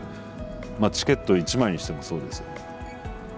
まあチケット１枚にしてもそうですよね。